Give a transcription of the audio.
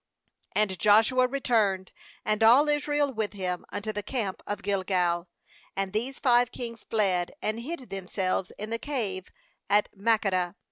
t15And Joshua returned, and all Israel with him, unto the camp to Gilgal. 16And these five kings fled, and hid themselves in the cave at Makkedah.